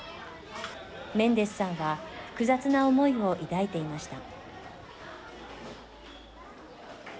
メンデスさんは複雑な思いを抱いていました。